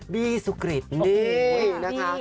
บี้สุกริตนี่นะคะ